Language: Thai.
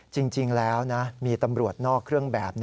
จริงแล้วนะมีตำรวจนอกเครื่องแบบ